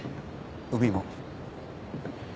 海も。